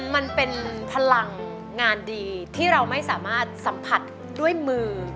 มันเป็นพลังงานดีที่เราไม่สามารถสัมผัสด้วยมือ